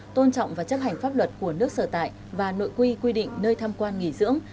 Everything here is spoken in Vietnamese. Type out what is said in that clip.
tôn trọng và chấp hành pháp luật của nước sở tại và nội quy quy định nơi tham quan nghỉ dưỡng